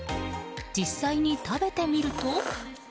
実際に食べてみると。